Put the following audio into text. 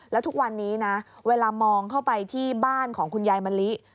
แล้วทุกวันนี้นะเวลามองเข้าไปที่บ้านของคุณยายมะลิ